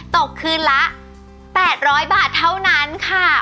ตกคืนละ๘๐๐บาทเท่านั้นค่ะ